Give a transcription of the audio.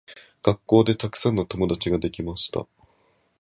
学校でたくさん友達ができました。